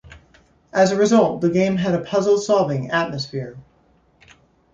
As a result, the game had a "puzzle-solving" atmosphere.